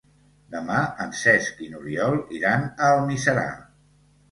Demà en Cesc i n'Oriol iran a Almiserà.